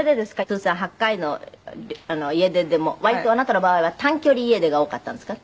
通算８回の家出でも割とあなたの場合は短距離家出が多かったんですか？